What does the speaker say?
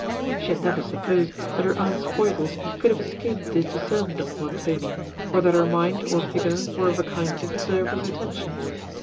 She had never supposed, that her aunt's foibles could have escaped the discernment of Montoni, or that her mind or figure were of a kind to deserve his attention.